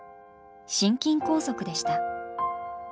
心筋梗塞でした。